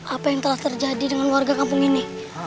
apa yang telah terjadi dengan warga kampung ini